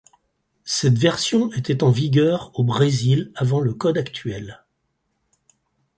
Cette version était en vigueur au Brésil avant le Code actuel.